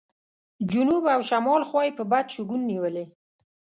جنوب او شمال خوا یې په بد شګون نیولې.